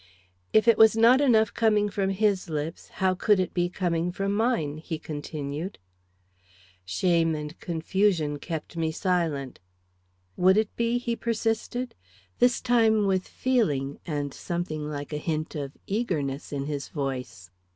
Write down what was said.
"If it was not enough coming from his lips, how could it be coming from mine?" he continued. Shame and confusion kept me silent. "Would it be?" he persisted, this time with feeling and something like a hint of eagerness in his voice.